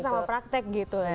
sama praktek gitu